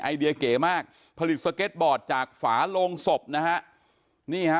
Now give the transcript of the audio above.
ไอเดียเกเลยมากผลิตสเกรดท์บอร์ดจากฝาลงศพนะฮะ